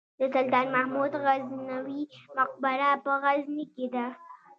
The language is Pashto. د سلطان محمود غزنوي مقبره په غزني کې ده